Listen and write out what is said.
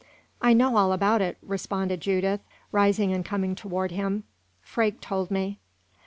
"I know all about it," responded Judith, rising and coming toward him; "Freke told me."